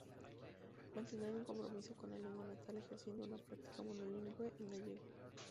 Mantendrán un compromiso con la lengua natal, ejerciendo una práctica monolingüe en gallego.